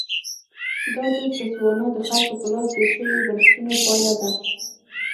دا د تسوانا د خلکو په لاس جوړ شویو بنسټونو پایله ده.